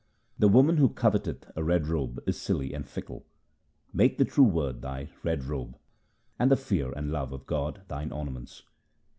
The woman who coveteth a red robe is silly and fickle. Make the true Word thy red robe, and the fear and love of God thine ornaments.